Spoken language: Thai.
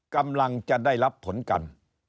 กำลังจะได้รับผลกัน